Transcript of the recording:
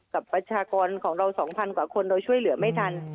ประชากรของเรา๒๐๐กว่าคนเราช่วยเหลือไม่ทัน